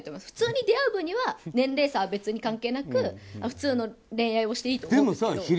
普通に出会う分には年齢差は別に関係なく普通の恋愛をしていいと思うけど。